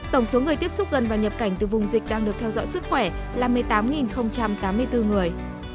tổng số người tiếp xúc gần và nhập cảnh từ vùng dịch đang được theo dõi sức khỏe là một mươi tám tám mươi bốn người